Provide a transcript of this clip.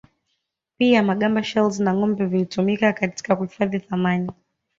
Pia magamba shells na ngombe vilitumika katika kuhifadhi thamani